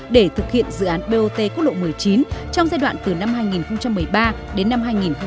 để thực hiện dự án bot quốc lộ một mươi chín trong giai đoạn từ năm hai nghìn một mươi ba đến năm hai nghìn hai mươi